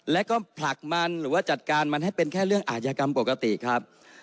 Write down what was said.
แล้วก็ผลักมันหรือว่าจัดการมันให้เป็นแค่เรื่องอาชญากรรมปกติครับ